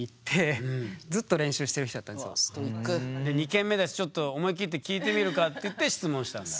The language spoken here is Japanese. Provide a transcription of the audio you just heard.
２軒目だしちょっと思い切って聞いてみるかっていって質問したんだ？